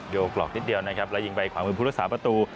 กรอกนิดเดียวนะครับแล้วยิงไปขวามือผู้รักษาประตู